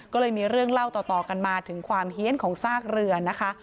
ก็เลยมีเรื่องเล่าต่อกันมาถึงความเฮียนของซากเรือนะคะ